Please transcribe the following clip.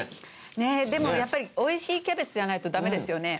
でもやっぱりおいしいキャベツじゃないと駄目ですよね。